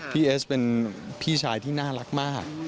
เอสเป็นพี่ชายที่น่ารักมาก